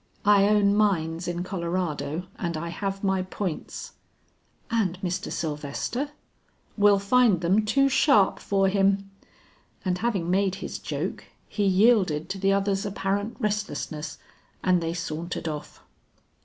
"I own mines in Colorado and I have my points." "And Mr. Sylvester?" "Will find them too sharp for him." And having made his joke, he yielded to the other's apparent restlessness, and they sauntered off.